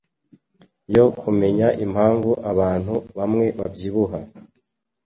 yo kumenya impamvu abantu bamwe babyibuha